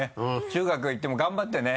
中学行っても頑張ってね。